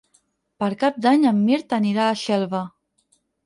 Per Cap d'Any en Mirt anirà a Xelva.